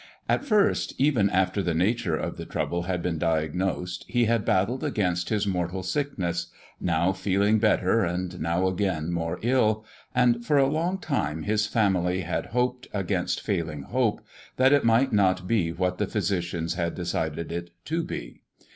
At first, even after the nature of the trouble had been diagnosed, he had battled against his mortal sickness, now feeling better and now again more ill, and for a long time his family had hoped against failing hope that it might not be what the physicians had decided it to be.